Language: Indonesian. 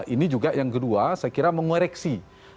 ini juga yang kedua saya kira mengoreksi